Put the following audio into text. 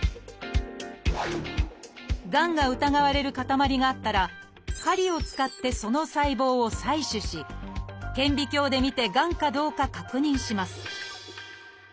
がんが疑われる塊があったら針を使ってその細胞を採取し顕微鏡でみてがんかどうか確認します